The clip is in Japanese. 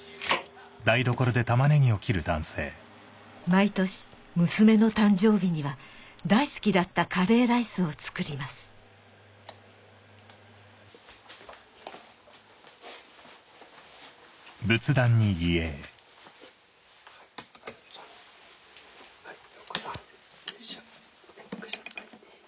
毎年娘の誕生日には大好きだったカレーライスを作りますはい。